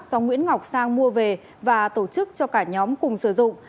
do nguyễn ngọc sang mua về và tổ chức cho cả nhóm cùng sử dụng